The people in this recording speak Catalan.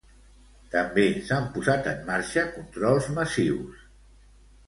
També s'han posat en marxa controls massius.